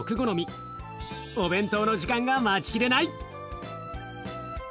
お弁当の時間が待ちきれない！